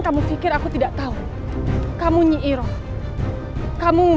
kau maha atu ya aman